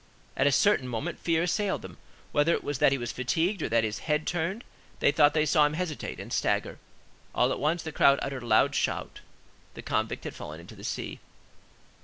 At a certain moment fear assailed them; whether it was that he was fatigued, or that his head turned, they thought they saw him hesitate and stagger. All at once the crowd uttered a loud shout: the convict had fallen into the sea.